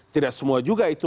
tidak semua juga itu